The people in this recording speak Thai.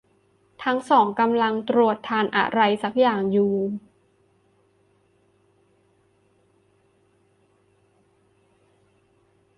ทั้งสองกำลังตรวจทานอะไรสักอย่างยู่